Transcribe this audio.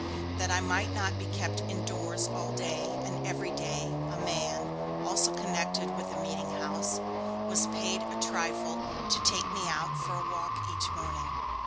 That I might not be kept indoors all day and everyday, a man, also connected with the meeting house, was paid a trifle to take me out for a walk each morning.